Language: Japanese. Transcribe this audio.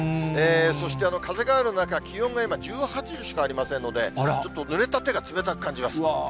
そして、風がある中、気温が今、１８度しかありませんので、ちょっとぬれた手が冷たく感じます。